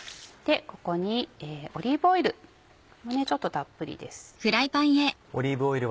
ここにオリーブオイルちょっとたっぷりです。